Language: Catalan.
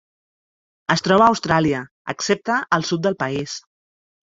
Es troba a Austràlia, excepte al sud del país.